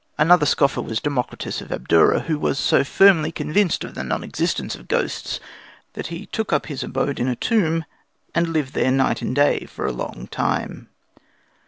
Another scoffer was Democritus of Abdera, who was so firmly convinced of the non existence of ghosts that he took up his abode in a tomb and lived there night and day for a long time.